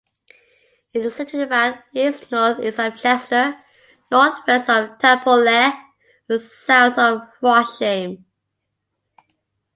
It is situated about east-north-east of Chester, north-west of Tarporley, and south of Frodsham.